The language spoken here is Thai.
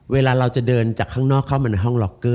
เวลาเราจะเดินจากข้างนอกเข้ามาในห้องล็อกเกอร์